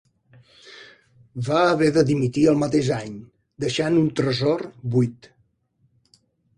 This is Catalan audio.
Va haver de dimitir el mateix any, deixant un tresor buit.